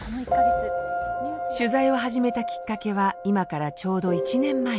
取材を始めたきっかけは今からちょうど１年前。